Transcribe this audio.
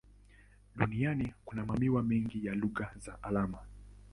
Duniani kuna mamia mengi ya lugha za alama.